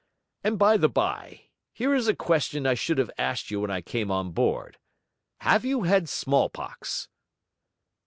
'And by the by, here is a question I should have asked you when I come on board: have you had smallpox?'